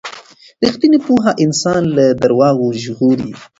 ریښتینې پوهه انسان له درواغو ژغوري.